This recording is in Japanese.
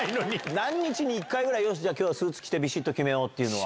何日に１回ぐらい、よし、きょうはスーツ着て、びしっと決めようっていうのは。